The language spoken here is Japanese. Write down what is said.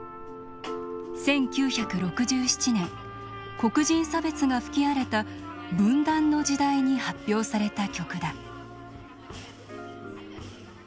１９６７年黒人差別が吹き荒れた分断の時代に発表された曲だ。